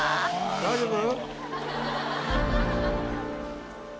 ・・大丈夫？